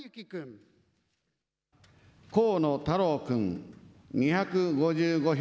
河野太郎君２５５票。